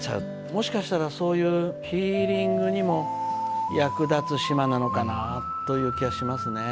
もしかしたら、そういう、ヒーリングにも役立つ島なのかなあという気がしますね。